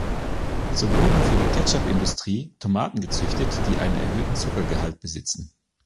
So wurden für die Ketchup-Industrie Tomaten gezüchtet, die einen erhöhten Zuckergehalt besitzen.